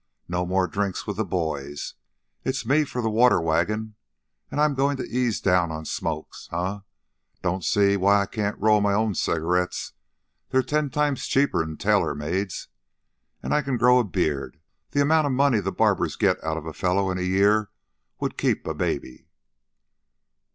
"No more drinks with the boys. It's me for the water wagon. And I'm goin' to ease down on smokes. Huh! Don't see why I can't roll my own cigarettes. They're ten times cheaper'n tailor mades. An' I can grow a beard. The amount of money the barbers get out of a fellow in a year would keep a baby."